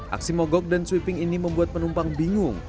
aksi mogok dan sweeping ini membuat penumpang bingung